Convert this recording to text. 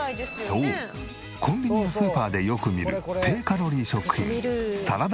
そうコンビニやスーパーでよく見る低カロリー食品サラダ